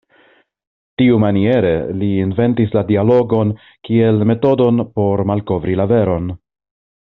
Tiumaniere li inventis la dialogon kiel metodon por malkovri la veron.